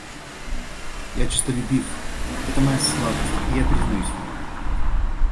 Я честолюбив, это моя слабость, и я признаюсь в ней.